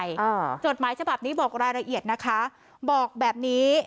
อ่าจดหมายฉบับนี้บอกรายละเอียดนะคะบอกแบบนี้